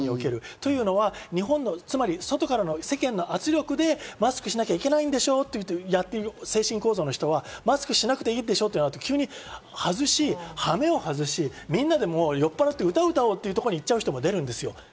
というのは日本の外からの圧力でマスクしなきゃいけないんでしょうという精神構造の人はマスクしなくていいでしょとなると、急に外し、羽目を外し、みんなで酔っぱらって歌を歌おうというところに行っちゃう人も出る。